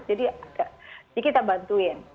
jadi kita bantuin